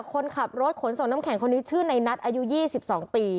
คนขับรถขนส่งน้ำแข็งคนนี้ชื่อในนัทอายุ๒๒ปี